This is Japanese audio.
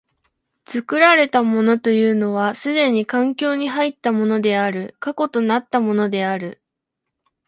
作られたものというのは既に環境に入ったものである、過去となったものである。